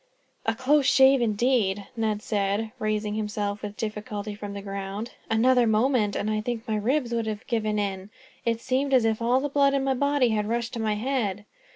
"A close shave, indeed," Ned said, raising himself with difficulty from the ground. "Another moment, and I think my ribs would have given in. It seemed as if all the blood in my body had rushed to my head."